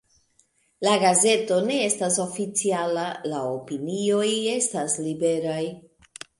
La gazeto ne estas oficiala, la opinioj estas liberaj.